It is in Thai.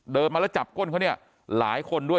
มาแล้วจับก้นเขาเนี่ยหลายคนด้วย